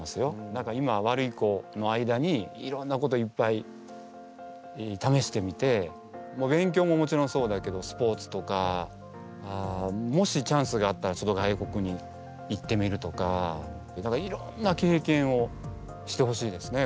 だから今ワルイコの間にいろんなこといっぱいためしてみて勉強ももちろんそうだけどスポーツとかもしチャンスがあったら外国に行ってみるとかいろんな経験をしてほしいですね